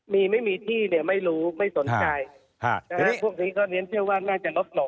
มีไม่มีที่เนี่ยไม่รู้ไม่สนใจพวกนี้ก็เรียนเชื่อว่าน่าจะลดลง